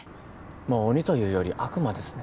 もう鬼というより悪魔ですね。